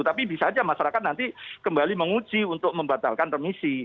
tapi bisa saja masyarakat nanti kembali menguji untuk membatalkan remisi